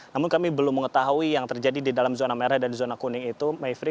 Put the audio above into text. namun kami belum mengetahui yang terjadi di dalam zona merah dan zona kuning itu mayfrey